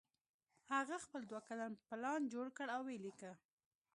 هغه خپل دوه کلن پلان جوړ کړ او ویې لیکه